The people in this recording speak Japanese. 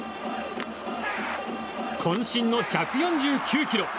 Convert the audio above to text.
渾身の１４９キロ。